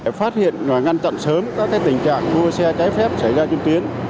phát hiện và ngăn chặn sớm các tình trạng đua xe trái phép xảy ra trên tuyến